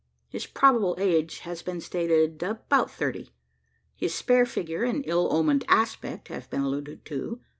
His probable age has been stated about thirty. His spare figure and ill omened aspect have been alluded to.